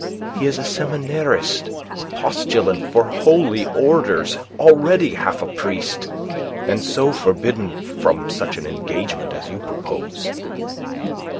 He is a seminarist a postulant for holy orders, already half a priest, and so forbidden from such an engagement as you propose."